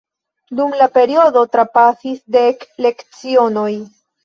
Dum la periodo trapasis dek lecionoj.